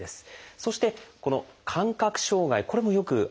そしてこの「感覚障害」これもよく現れる症状です。